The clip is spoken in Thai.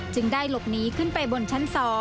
ได้หลบหนีขึ้นไปบนชั้น๒